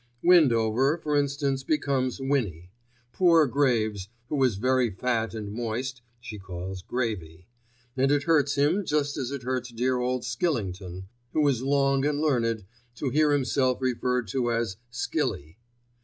Windover, for instance, becomes "Winny." Poor Graves, who is very fat and moist, she calls "Gravy," and it hurts him just as it hurts dear old Skillington, who is long and learned, to hear himself referred to as "Skilly."